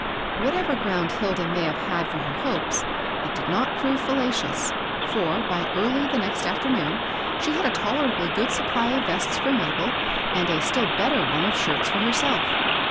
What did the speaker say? Whatever ground Hilda may have had for her hopes, it did not prove fallacious ; for, by early the next afternoon, she had a tolerably good supply of vests for Mabel and a still better one of shirts for herself.